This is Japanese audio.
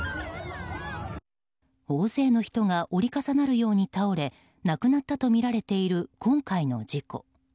大勢の人が折り重なるように倒れ亡くなったとみられている今回の事故。